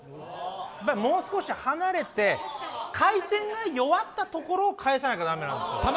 もう少し離れて、回転が弱ったところを返さなきゃいけない。